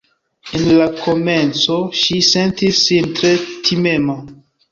En la komenco ŝi sentis sin tre timema